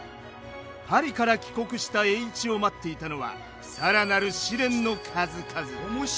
パリから帰国した栄一を待っていたのは更なる試練の数々。